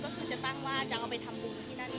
เนื่องจะต้องตั้งว่าต้องทำบูรณ์ที่หน้าบน